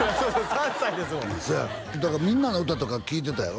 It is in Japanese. ３歳ですもんだから「みんなのうた」とか聴いてたやろ？